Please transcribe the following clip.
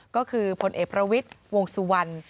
ก็คือผลเอกประวิทย์วงสุวรรณ